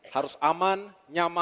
harus aman nyaman tepat untuk masyarakat